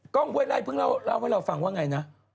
กล้องเว้ยไรเพิ่งเล่าให้เราฟังว่าไงนะ